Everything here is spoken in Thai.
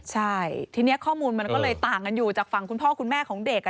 ใช่ทีนี้ข้อมูลมันก็เลยต่างกันอยู่จากฝั่งคุณพ่อคุณแม่ของเด็ก